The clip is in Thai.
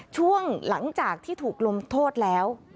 ช่วงหลังจากที่ถูกลงโทษแล้ว